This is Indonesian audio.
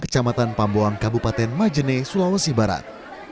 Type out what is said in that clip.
kecamatan pamboang kabupaten majene sulawesi barat